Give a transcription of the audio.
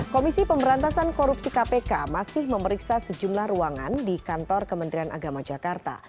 komisi pemberantasan korupsi kpk masih memeriksa sejumlah ruangan di kantor kementerian agama jakarta